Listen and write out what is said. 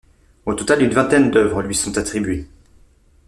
Au total une vingtaine d'œuvres lui sont attribuées.